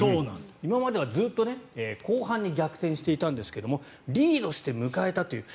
今まではずっと後半に逆転していたんですがリードして迎えたという。